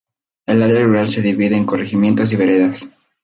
El área rural se divide en corregimientos y veredas.